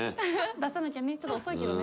出さなきゃねちょっと遅いけどね。